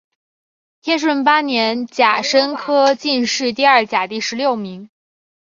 天顺八年甲申科进士第二甲第十六名。